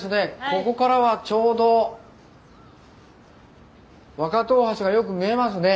ここからはちょうど若戸大橋がよく見えますね。